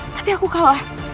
tapi aku kalah